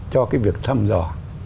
cho cái việc thăm dò